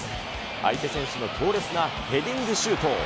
相手選手の強烈なヘディングシュート。